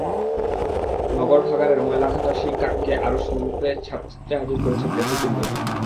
নগর ভাগাড়ের ময়লা-ঘাঁটা সেই কাককে আরও সুরূপে ছাপচিত্রে হাজির করেছেন রফিকুন নবী।